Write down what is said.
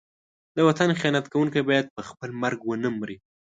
د وطن خیانت کوونکی باید په خپل مرګ ونه مري.